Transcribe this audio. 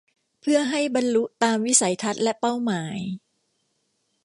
เพื่อให้บรรลุตามวิสัยทัศน์และเป้าหมาย